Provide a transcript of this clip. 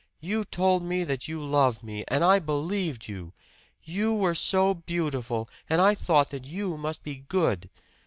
You told me that you loved me, and I believed you. You were so beautiful, and I thought that you must be good!